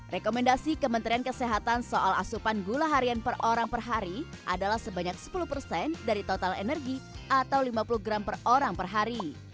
rekomendasi kementerian kesehatan soal asupan gula harian per orang per hari adalah sebanyak sepuluh dari total energi atau lima puluh gram per orang per hari